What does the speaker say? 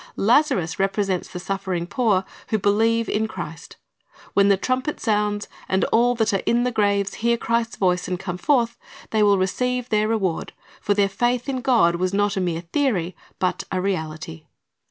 Lazarus represents the suffering poor who believe in Christ. When the trumpet sounds, and all that are in the graves hear Christ's voice and come forth, they will receive their reward; for their faith in God was not a mere theory, but a reality.